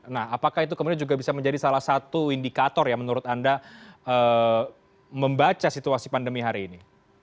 nah apakah itu kemudian juga bisa menjadi salah satu indikator ya menurut anda membaca situasi pandemi hari ini